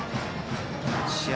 試合